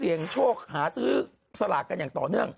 โชคหาซื้อสลากกันอย่างต่อเนื่อง